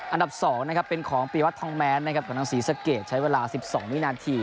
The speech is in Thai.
อันดับ๒นะครับเป็นของปีวัตทองแม้นนะครับกับทางศรีสะเกดใช้เวลา๑๒วินาที